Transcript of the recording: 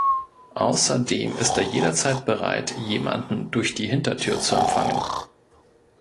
Außerdem ist er jederzeit bereit, jemanden „durch die Hintertür zu empfangen“.